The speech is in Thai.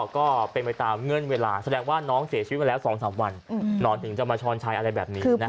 ก็เป็นไปตามเงื่อนเวลาแสดงว่าน้องเสียชีวิตมาแล้ว๒๓วันหนอนถึงจะมาช้อนชัยอะไรแบบนี้